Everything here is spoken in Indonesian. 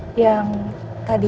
nih nanti aku mau minum